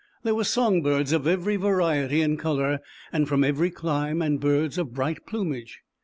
There were song birds of every variety and color and from every clime, and birds of bright plumage.